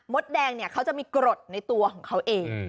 มดแดงเขาจะมีกรดในตัวของเขาเอง